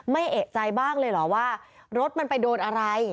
เอกใจบ้างเลยเหรอว่ารถมันไปโดนอะไร